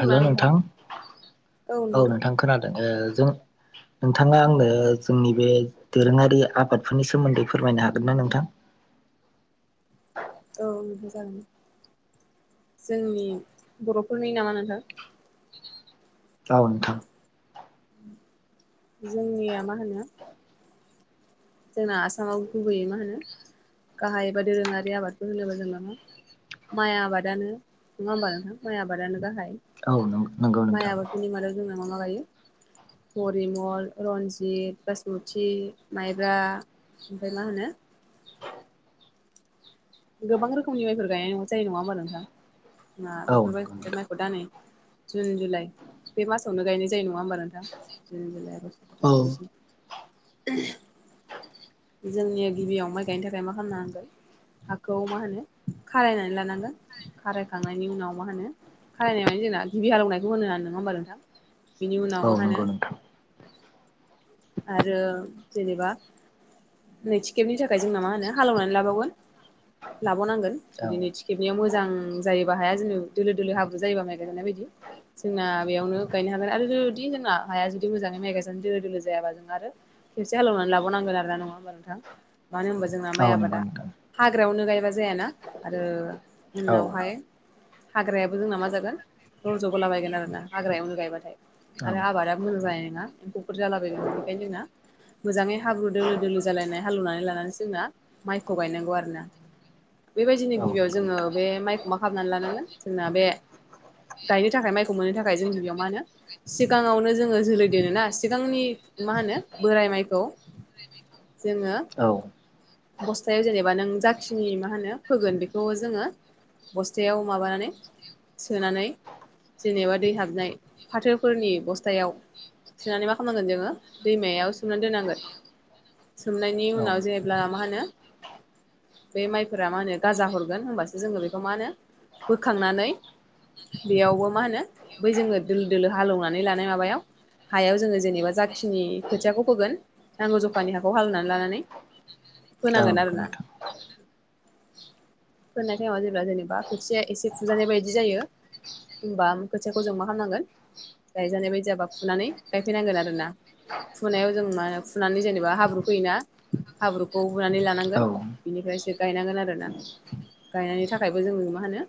हेल' नोंथां औ नोंथां खोनादों ओ जों नोंथाङा आंनो जोंनि बे दोरोङारि आबादफोरनि सोमोन्दै फोरमायनो हागोन ना नोंथां? औ बे जागोन जोंनि बर'फोरनि नामा नोंथां? औ नोंथां जोंनिया मा होनो जोंना आसामाव गुबैयै मा होनो गाहाय एबा दोरोङारि आबादखौ होनोबा जोंना मा माइ आबादानो नङा होमबा नोंथां माइ आबादानो गाहाय औ नंगौ नोंथां बिनि मादाव जोंना मा मा गायो हरिमल, रन्जित, बासमुति खुमब्रा ओमफ्राय मा होनो गोबां रोखोमनि माइफोर गायनाय जायो नङा होमबा नोंथां ना औ नंगौ नोंथां बेफोरबाय दा नै जुन -जुलाइ बे मासावनो गायनाय जायो नङा होमबा नोंथां। जुन जुलाइ आ [inaudible] जोंनिया गिबियाव माइ गायनो थाखाय मा खालामनो हांगोन हाखौ मा होनो खारायनानै लानांगोन। खारायखांनायनि उनाव मा होनो खारायनाय माने जोंना गिबि हालौवनायखौ होनो हा नङा होमबा नोंथां। बिनि उनाव औ मा होनो नंगौ नोंथां आरो जेनेबा नैथि खेबनि थाखाय जोंना मा होनो हालेवनानै लाबावगोन। लाबावनांगोन औ जुदि नैथि खेबैाव मोजां जायोबा हाया जेन' दोलो -दोलो हाब्रु जायोबा माइ गायजानाय बायदि जोंना बेयावनो गायनो हागोन आरो जुदि जोंना हाया जुदि मोजाङै माइ गायजानो दोलो -दोलो खेबसे हालौवनानै लाबां नांगोन आरो नंया होमबाथ नोंथां। मानो होमबा जोंना औ माइ नंगौ आबादा नोंथां हाग्रायावनो गायबा जायाना आरो औ उनावहाय हाग्रायाबो जोंना मा जागोन रज बोलाबायगोन आरो ना हाग्रायावनो गायबाथाय औ आरो आबादा मोजां जानाय नङा एम्फौफोर जालाबायगोन बेनिखायनो जोंना मोजाङै हाब्रु दोलो दोलो जालायनाय हालवनानै लानानै जोंना माइखौ गायनांगौ आरोना। बेबायदिनो औ गिबियाव नंगौ जोङो नोंथां बे माइखौ मा खालामनानै लानांगोन जोंना बे गायनो थाखाय माइखौ मोननो थाखाय जोंनि बेयाव मा होनो सिगाङावनो जोङो जोलै दोनोना सिगांनि मा होनो बोराय माइखौ जोङो औ बस्थायाव जेनेबा नों जाखिनि मा होनो फोगोन बेखौ जोङो बस्थायाव माबानानै सोनानै जेनेबा दै हाबनाय फाथोफोरनि बस्थायाव सनानै मा खालामनांगोन जोङो दैमायाव सोमनानै दोननांगोन सोमनायनि औ उनाव जेब्ला मा होनो बे माइफोरा मा होनो गाजा हरगोन होनबासो जोङो बेखौ मा होनो बोखांनानै बेयावबो मा होनो बै जोङो दोलो दोलो हालेवनानै लानाय माबायाव हायाव जोङो जेनेबा जाखिनि खोथियाखौ फोगोन नांगौ जखानि हाखौ हालवनानै लानानै होनांगोन आरो नंगौ ना। नोंथां औ फोननाय टाइमाव जेब्ला जेनेबा खोथिया एसे फुजानाय बायदि जायो होमबा खोथियाखौ जों मा खालामनांगोन गायजानाय बायदियाबा फुनानै गायफैनांगोन आरोना। फुनायाव जों मा होनो फुनानै जेनेबा हाब्रु फैयोना हाब्रुखौ हुनानै लानांगोन औ बिनिफ्रायसो गायनांगोन आरोना गायनायनि थाखायबो जोङो मा होनो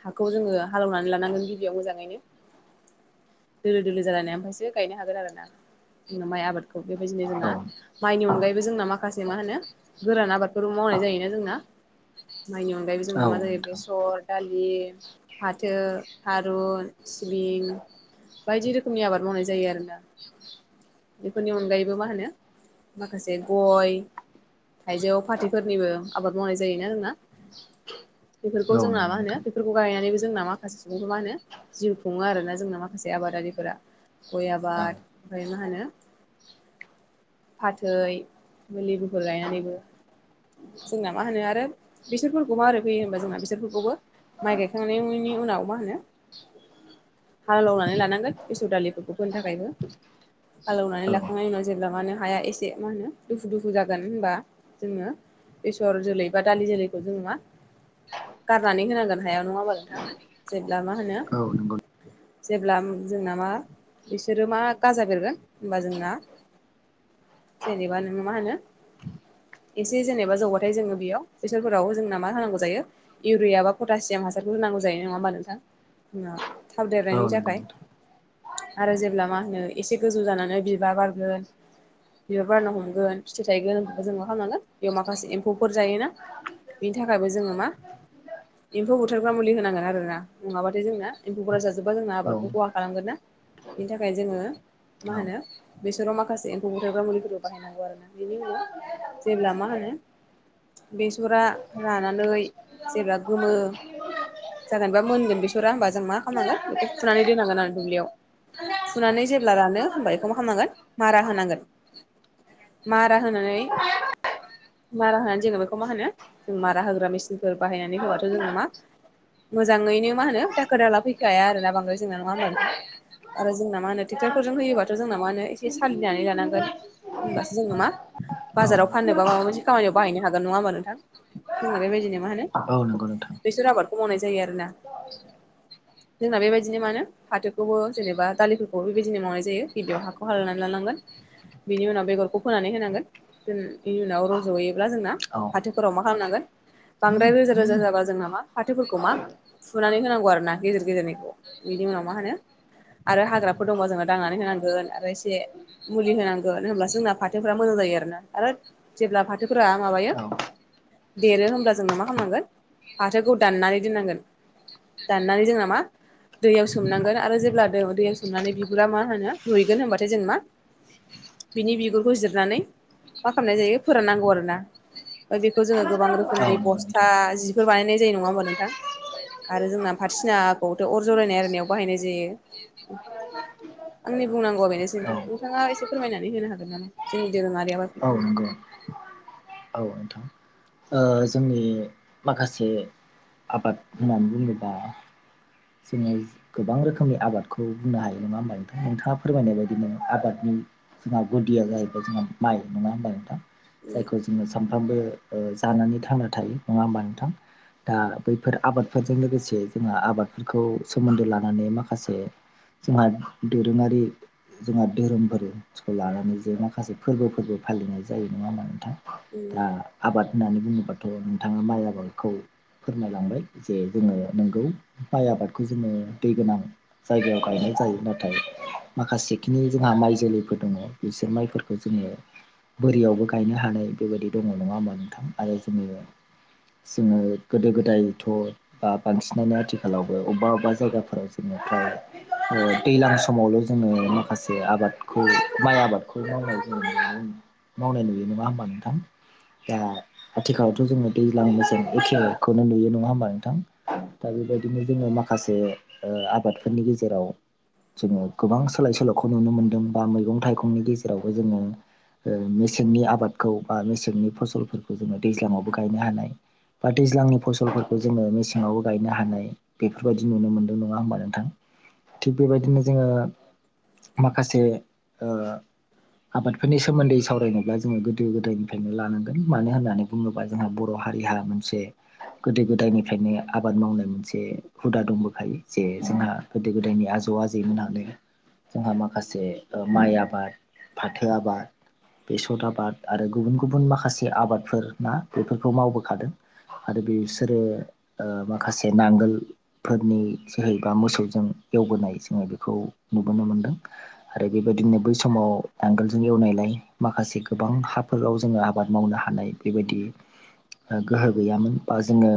हाखौ जोङो हालेवनानै लानांगोन गिबियाव मोजाङैनो दोलो दोलो जालानाय ओमफ्रायसो गायनो हागोन आरोोना जोंना माइ आबादखौ बेबायदिनो जोंना औ माइनि अनगायैबो जोंना माखासे मा होनो गोरान आबादफोरखौ मावनाय जायोना जोंना माइनि अनगायैबो जोंना नोंथां मा जायो औ बेसर, दालि, फाथो, थारुन, सिबिं बायदि रोखोमनि आबाद मावनाय जायो आरोना। बेफोरनि अनगायैबो मा होनो माखासे गय हाइजौआव, फाथैफोरनिबो आबाद मावनाय जायोना जोंना बेफोरखौ नंगौ जोंना मा होनो नोंथां बेफोरखौ गायनानैबो जोंना माखासे सुबुंखौ मा होनो जिउ खुङो आरो ना जोंना माखासे आबादारिफोरा गय औ आबाद ओमफ्राय मा होनो फाथै [unintelligible] गायनानैबो जोंना मा होनो आरो बेसरफोरखौबो माबोरै फैयो होनबा जोंना बेसरफोरखौबो माइ गायखांनायनि नि उनाव मा होनो हालेवनानै लानांगोन बे सर दालिखौ। फोनो थाखायबो। हालौनानै औ लाखांनायनि उनाव जेब्ला माहोनो हाया एसे मा होनो दुफु दुफु जागोन होनबा जोङो बेसर जोलै बा दालि जोलैखौ जोङो मा गारनानै होनांगोन हायाव नङा होमबा नोंथां जेब्ला मा होनो औ नंगौ जेब्ला जोंना मा बिसोरो मा गाजा बेरगोन होनोमबा जोंना जेनेबा नोङो मा होनो एसे जेनेबा जौबाथाय जोङो बेयाव बेसरफोराव जोंना मा होनांगौ जायो इउरिया बा पटासियाम हासारखौ होन होनांगौ जायो नङा होमबा नोंथां ओ थाब औ देरनायनि नंगौ थाखाय। नोंथां आरो जेब्ला मा होनो एसे गोजौ जानानै बिबार बारगोन बिबार बारना हमगोन फिथाइ थायगोन जों मा खालामनांगोन बेयाव माखासे एम्फौफोर जायोना बिनि थाखायबो जोङो मा एम्फौ बुथारग्रा मुलि होनांगोन आरो ना नङाबाथाय जोंना एम्फौफोरा जाजोबा जोंना औ आबादखौ खहा खालामगोन ना। बिनि थाखाय जोङो मा होनो बेसराव माखासे एम्फौ बुथारग्रा मुलिफोरबो बाहायनांगौ आरो ना बेनि उनाव जेब्ला माहोनो बेसरा रानानै जेब्ला गोमो जागोन बा मोनगोन बेसरा होनोमबा जों मा खालामनांगोन बेखौ फुनानै दोननांगोन आरो दुब्लियाव। फुनानै जेब्ला रानो होमबा बेखौ मा खालामनांगोन मारा होनांगोन। मारा होनानै मारा होनानै जोङो बेखौ मा होनो जों मारा होग्रा मेसिनफोर बाहायनानै होबाथ' जोंना मा मोजाङैनो मा होनो दाखोर दाला फैखाया आरो ना बांद्राय जोंना नङा होमबा नोंथां। आरो जोंना मा होनो ट्रेक्ट'रफोरजों होयोबाथ' जोंना मा होनो एसे सालिनानै लानांगोन। होनबासो जोङो मा औ बाजाराव फाननोबा माबा मोनसे खामानियाव बाहायनो हागोन नङा होमबा नोंथां? जोंना बेबायदिनो मा होनो औ औ नंगौ नोंथां बेसर आबादखौ मावनाय जायो आरोना जोंना बेबायदिनो मानो फाथोखौबो जेनेबा दालिफोरखौ बेबायदिनो मावनाय जायो गिबियाव हाखौ हालौनानै लानांगोन। बिनि उनाव बेगरखौ फोनानै होनांगोन। जों बिनि उनाव रज'हयोब्ला जोंना औ फाथोफोराव मा खालामनांगोन बांद्राय रोजा रोजा जाबा जों नामा फाथोफोरखौ मा फुनानै होनांगौ आरो ना गेजेर गेजेरनिखौ बिनि उनाव मा होनो आरो हाग्राफोर दंबा जोङो दांनानै होनांगोन आरो एसे मुलि होनांगोन होनब्लासो जोंना फाथोफोरा मोजां जायो आरोना आरो जेब्ला फाथोफोरा माबायो देरो होमब्ला जोंना मा खालामनांगोन फाथोखौ दाननानै दोननांगोन। दाननानै जोंना मा दैयाव सोमनांगोन आरोे जे ब्ला दैयाव सोमनानै बिबुरा मा होनो रुइगोन होनबाथाय जेनेबा बिनि बिगुरखौ जिरनानै मा खालामनाय जायो फोराननांगौ आर ना। ओमफ्राय बेखौ जोङो औ गोबां रोखोमनि नंगौ नोंथां बस्था जिफोर बानायनाय जायो। नङा होमबा नोंथां? आरो जोंना फाथिसिनाखौथ' अर जरायनाय आरिनायाव बाहायनाय जायो। [inaudible] आंनि बुंनांगौआ बेनोसै औ नोंथां नोंथाङा एसे फोरमायनानै होनो हागोन नामा जोंनि दोरोङारियाबा औ नंगौ औ नोंथां। ओ जोंनि माखासे आबाद होननानै बुङोब्ला जोङो गोबां रोखोमनि आबादखौ बुंनो हायो नङा होमा नोंथां नोंथाङा फोरमायनाय बायदिनो आबादनि जोंहा गुदिया जाहैबाय जोंहा माइ नङा होनबा नोंथां जायखौ जोङो सानफ्रामबो ओ जानानै थांना थायो नङा होमबा नोंथां। दा बैफोर आबादफोरजों लोगोसे जोंहा आबादफोरखौ सोमोन्दो लानानै माखासे जोंहा दोरोङारि जोंहा धोरोमफोरखौ लानानै जे माखासे फोरबोफोरबो फालिनाय जायो नङा म नोंथा। दा आबाद होननानै बुङोबाथ' नोंथाङा माइ आबादखौ फोरमायलांबाय जे जोङो नोंगौ माइ आबादखौ जोङो दै गोनां। जायगायाव गायनाय जायो नाथाय माखासेखिनि जोंहा माइ जोलैफोर दङ बिसोर माइफोरखौ जोङो बोरियावबो गायनो हानाय बेबायदि दङ नङा होमबा नोंथां आरो जोङो जोङो गोदो गोदायथ' बा बांसिनानो आथिखालावबो अबेबा अबेबा जायगाफोराव जोंङो फ दैज्लां समावल' जोङो माखासे आबादखौ माइ आबादखौ मावनाय ज मावनाय नुयो नङा होमबा नोंथां। दा आथिखालावथ' जोंङो दैज्लां मोजां एखखौनो नुयो नङा होमबा नोंथां। दा बेबायदिनो जोङो माखासे आबादफोरनि गेजेराव जोङो गोबां सोलाय सोल'खौ नुनो मोनदों बा मैगं थाइगंनि गेजेरावबो जोङो मेसेंनि आबादखौ बा मेसेंनि फसलफोरखौ जोङो दैज्लाङावबो गायनो हानाय बा दैज्लांनि फसलफोरखौ जोङो मेसेङावबो गायनो हानाय बेफोरबायदि नुनो मोनदों नङा होमबा नोंथां थिग बेबायदिनो जोङो माखासे ओ आबादफोरनि सोमोन्दै सरायनोब्ला जोङो गोदो गोदायनिफ्रायनो लानो मानो होननानै बुङोबा जोंहा बर' हारिहा मोनसे गोदो गोदायनिफ्रायनो आबाद मावनाय मोनसे हुदा दंबोखायो जे जोंहा गोदो गोदायनि आजौ आजैमोन आ जोंहा माखासे माइ आबाद फाथो आबाद बेसर आबाद आरो गुबुन गुबुन माखासे आबादफोर ना बेफोरखौ मावबोखादों। आरो बेसोरो माखासे नांगोल फोरनि जोहै बा मोसौजों एवबोनाय जोङो बेखौ नुबोनो मोनदों। आरो बेबायदिनो बै समाव नांगोलजों एवनायलाय माखासे गोबां हाफोराव जोङो आबाद मावनो हानाय बेबायदि गोहो गैयामोन बा जोङो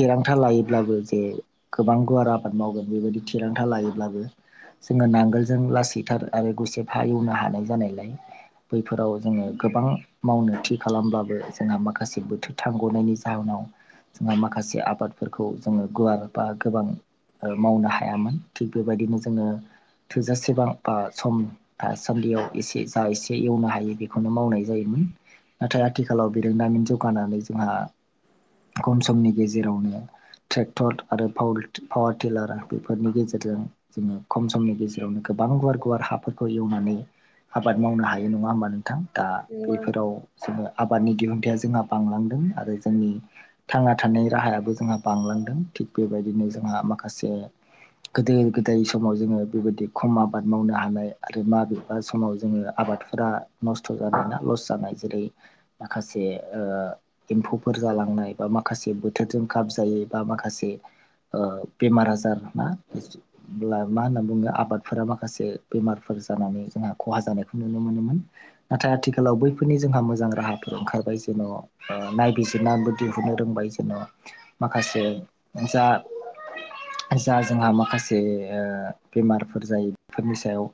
थिरांथा लायोब्लाबो जे गोबां गुवार आबाद मावगोन बेबायदि थिरांथा लायोब्लाबो जोङो नांगोलजों लासैथार आरो गुसेफा एवनो हानाय जानायलाय बैफोराव जोङो गोबां मावनो थिग खालामबाबो जोंहा माखासे बोथोर थांगनायनि जाहोनाव जोंहा माखासे आबादफोरखौ जोङो गुवार बा गोबां मावनो हायामोन थिग बेबायदिनो जोङो थोजासेबां बा सम दा सान्दियाव एसे जा एसे एवनो हायो बेखौनो मावनाय जायोमोन। नाथाय आथिखालाव बिरोंदामिन जौगानानै जोंहा खम समनि गेजेरावनो ट्रेक्टर आरो पावार टिलार बेफोरनि गेजेरजों जोङो खम समनि गेजेरावनो गोबां गुवार गुवार हाफोरखौ एवनानै आबाद मावनो हायो नङा होमबा नोंथां दा सोमोन्दै बेफोराव जोङो आबादनि दिहुनथाइा जोंहा बांलांदों आरो जोंनि थांना थानायनि राहायाबो जोंहा बांलांदों थिग बेबायदिनो जोंहा माखासे गोदो गोदाय समाव जोङो बेबायदि खम आबाद मावनो हानाय आरो माबेबा समाव जोङो आबाद फोर नस्थ' जानाय ना लस जानाय जेरै माखासे एम्फौफोर जालांनाय बा माखासे बोथोरजों खाब जाय बा माखासे बेमार आजार ना एसे ब्ला मा होनना बुङो आबादफोरा माखासे बेमारफोर जानानै जोंहा खहा जानायखौ नुनो मोनोमोन। नाथाय आथिखालाव बैफोरनि जोंहा मोजां मोजां राहाफोर ओंखारबाय जेन' नायबिजिरनानैबो दिहुननो रोंबाय जेन' माखासे जा जा जोंहा माखासे बेमारफोर जायो बेफोरनि सायाव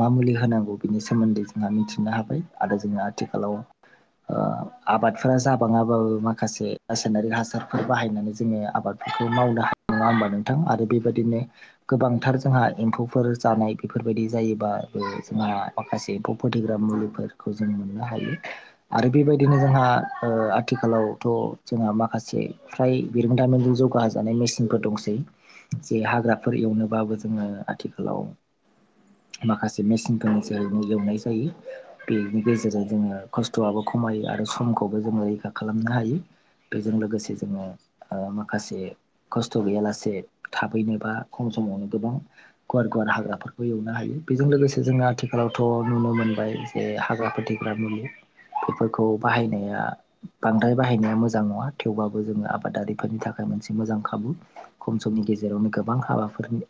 मा मुलि होनांगौ बेनि सोमोन्दै जोंहा मिथिनो हाबाय आरो जोङो आथिखालाव ओ आबादफोरा जाबाङाबाबो माखासे रासायनारि हासारफोर बाहायनानै जोङो आबाद बो मावनो हानाय नङा होमबा नोंथां आरो बेबायदिनो गोबांथार जोंहा एम्फौफोर जानाय बेफोरबायदि जायोबबो जोंहा माखासे एम्फौ फोथैग्रा मुलिफोरखौ जों मोननो हायो। आरो बेबायदिनो जोंहा ओ आथिखालावथ' जोंहा माखासे फ्राय बिरोंदामिनजों जौगा होजानाय मेसिनफोर दंसै। जे हाग्राफोर एवनोबाबो जोङो आथिखालाव माखासे मेसिनफोरनि जोहैनो एवनाय जायो बेनि गेजेरजों जोङो खस्थ'आबो खमायो आरो समखौबो जोङो रैखा खालामनो हायो बेजों लोगोसे जोङो ओ माखासे खस्थ' गैयालासे थाबैनो बा खम समावनो गोबां गुवार गुवार हाग्राफोरखौ एवनो हायो। बेजों लोगोसे जोङो आथिखालावथ' नुनो मोनबाय जे हाग्रा फोथैग्रा मुलि बेफोरखौ बाहायनाया बांद्राय बाहायनाया मोजां नङा, थेवब्लााबो जोङो आबादारिफोरनि थाखाय मोनसे मोजां खाबु। खम समनि गेजेरावनो गोबां हाबाफोरनि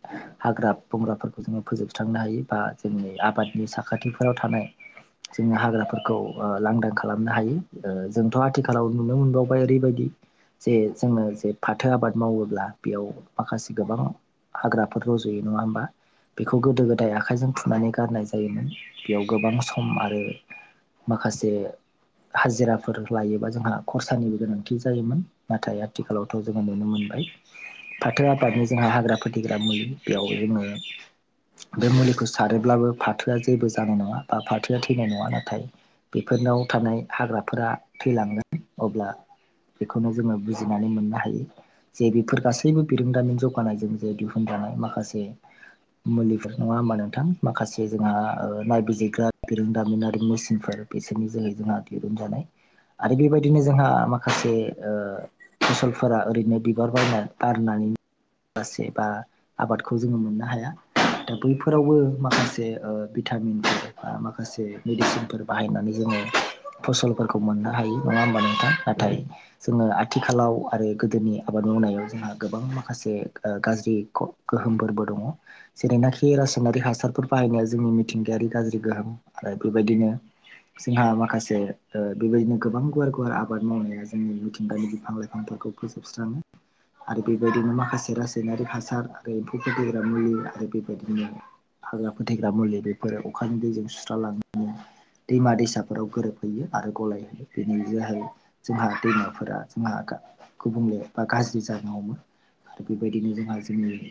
हाग्रा बंग्राफोरखौ जोङो फोजोबस्रांनो हायो बा जोंनि आबादनि साखाथिफोराव थानाय जोङो हाग्राफोरखौ ओ लांदां खालामनो हायो ओ जोंथ' आथिखालाव नुनो मोनबावबाय ओरैबायदि जे जोंनो जे फाथो आबाद मावोब्ला बेयाव माखासे गोबां हाग्राफोर रज'यो नङा होमबा? बेखौ गोदो गोदाय आखाइजों फुनानै गारनाय जायोमोन बेयाव गोबां सम आरो माखासे हाजिराफोर लायोबा जोंहा खरसानिबो गोनांथि जायोमोन। नाथाय आथिखालावथ' जोङो नुनो मोनबाय फाथो आबादनि जोंहा हाग्रा फोथिग्रा मुलि, बेयाव जोङो बे मुलिखौ सारोब्लाबो फाथोआ जेबो जानाय नङा बा फाथोआ थैनाय नङा नाथाय बेफोरनाव थानाय हाग्राफोरा थैलांगोन अब्ला बेखौनो जोङो बुजिनानै मोननो हायो। जे बेफोर गासैबो बिरोंदामिन जौगानायजों जे दिहुनजानाय माखासे मुलिफोर नङा हबा नोंथां, माखासे जोंहा नायबिजिरग्रा बिरोंदामिनारि मुस बिफोर बिसोरनि जोहै जोंहा दिरुन जानाय, आरो बेबायदिनो जोंहा माखासे ओ फसलफोरा ओरैनो बिबार बारना बारनानै बारसे बा आबादखौ जोङो मोननो हाया। दा बैफोरावबो माखासे ओ भिटामिनफोर बा माखासे मेडिसिनफोर बाहायनानै जोङो फसलफोरखौ मोननो हायो नङा होमबा नोंथां? नाथाय जोङो आथिखालाव आरो गोदोनि आबाद मावनायाव जोंहा गोबां माखासे ओ गाज्रि गोहोमफोरबो दङ। जेरैनाखि रासायनारि हासारफोर बाहायनाया जोंनि मिथिंगायारि गाज्रि गोहोम आरो बेबायदिनो जोंहा माखासे ओ बेबायदिनो गोबां गुवार गुवार आबाद मावनाया जोंनि मिथिंगानि बिफां लाइफांफोरखौ फोजोबस्राङो। आरो बेबायदिनो माखासे रासायनारि हासार आरो एम्फौ फोदैग्रा मुलि आरो बेबायदिनो हाग्रा फोथैग्रा मुलि बेफोर अखानि दैजों सुस्रालांनानै दैमा दैसाफोराव गोरोबहैयो आरो गलायहयो बेनि जोहै जोंहा दैमाफोरा जोंहा गुबुंले बा गाज्रि जानो हमो। आरो बेबायदिनो जोंहा जोंनि